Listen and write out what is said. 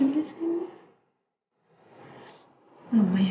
izinkanlah ya allah